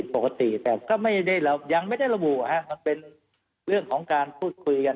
ปกติแต่ก็ไม่ได้เรายังไม่ได้ระบุมันเป็นเรื่องของการพูดคุยกัน